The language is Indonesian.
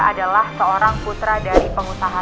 adalah seorang putra dari pengusaha